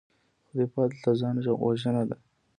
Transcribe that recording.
خو دفاع دلته ځان وژنه ده.